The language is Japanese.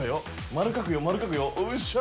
丸描くよ丸描くよよっしゃ！